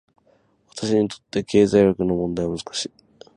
私にとって、経済学の問題は難しい。